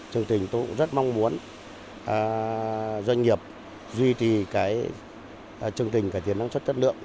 chương trình tôi cũng rất mong muốn doanh nghiệp duy trì chương trình cải tiến năng suất chất lượng